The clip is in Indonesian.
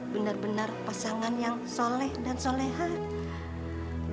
benar benar pasangan yang soleh dan solehan